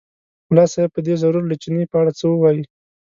ملا صاحب به دی ضرور له چیني په اړه څه ووایي.